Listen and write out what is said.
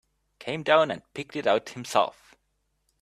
Came down and picked it out himself.